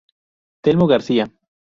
Telmo García.